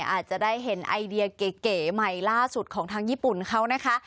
อาจจะได้เห็นไอเดียเก๋ใหม่ล่าสุดของทางญี่ปุ่นเขานะคะ